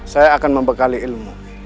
saya akan membekali ilmu